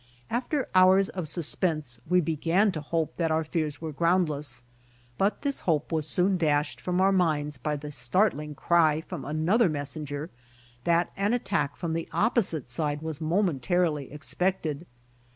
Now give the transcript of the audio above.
After hours of suspense we began to hope that our fears were groundless, but this hope was soon dashed froml our minds by the startling cry from another messenger, that an attack from the opposite side was momentarily expected.